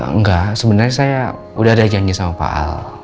enggak sebenarnya saya udah ada janji sama pak al